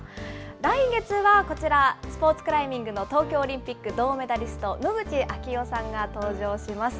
来月はこちら、スポーツクライミングの東京オリンピック銅メダリスト、野口啓代さんが登場します。